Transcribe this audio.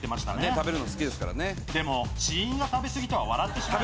食べるの好きですからねでも死因が食べ過ぎとは笑ってしまいます